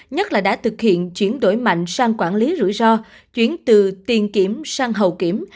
nhất là đã thực hiện chuyển đổi mạnh sang quản lý rủi ro chuyển từ tiền kiểm sang hậu kiểm